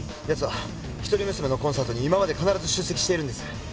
やつは一人娘のコンサートに今まで必ず出席しているんです。